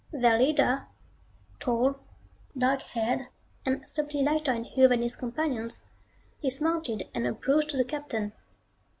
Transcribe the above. Their leader, tall, dark haired, and subtly lighter in hue than his companions, dismounted and approached the Captain.